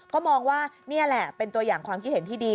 ก็มองว่านี่แหละเป็นตัวอย่างความคิดเห็นที่ดี